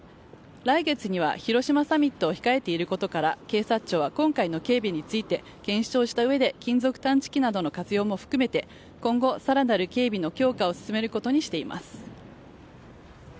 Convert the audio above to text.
来月には広島サミットを控えていることから警察庁は今回の警備について検証したうえで金属探知機などの活用も含めて今後、更なる警備の強化を進めることにしています。